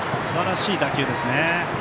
すばらしい打球ですね。